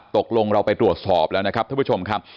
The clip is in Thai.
ตกลงเราไปตรวจสอบแล้วนะครับท่านผู้ชมครับ